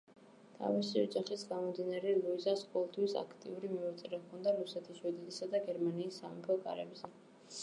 თავისი ოჯახიდან გამომდინარე, ლუიზას ყოველთვის აქტიური მიმოწერა ჰქონდა რუსეთის, შვედეთისა და გერმანიის სამეფო კარებზე.